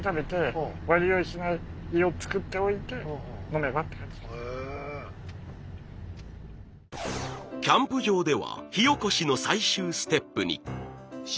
キャンプ場では火おこしの最終ステップに。